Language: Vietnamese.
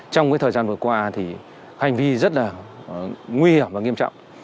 trong thời gian vừa qua hành vi rất nguy hiểm và nghiêm trọng